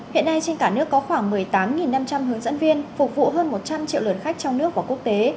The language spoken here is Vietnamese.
hiện nay trên cả nước có khoảng một mươi tám năm trăm linh hướng dẫn viên phục vụ hơn một trăm linh triệu lượt khách trong nước và quốc tế